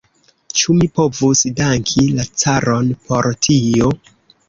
Ĉu mi povus danki la caron por tio?